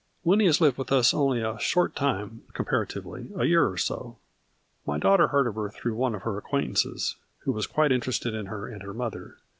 " Winnie has lived with us only a short time, comparatively, a year or so. My daughter heard of her through one of her acquaintances, who was A FLURRY IN DIAMONDS. 35 quite interested in her and her mother.